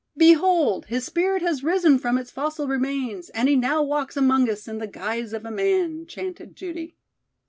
"Behold, his spirit has risen from its fossil remains and he now walks among us in the guise of a man," chanted Judy.